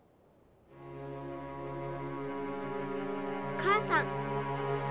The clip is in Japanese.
母さん。